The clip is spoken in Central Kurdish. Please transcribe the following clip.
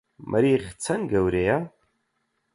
مەریخ چەند گەورەیە؟